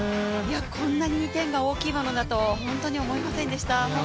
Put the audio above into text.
こんなに２点が大きいものだと本当に思いませんでした。